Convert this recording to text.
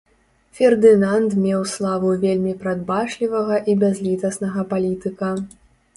Фердынанд меў славу вельмі прадбачлівага і бязлітаснага палітыка.